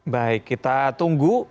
baik kita tunggu